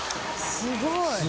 すごい。